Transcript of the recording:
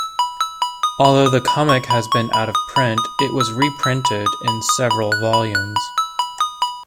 Although the comic has been out of print, it was reprinted in several volumes.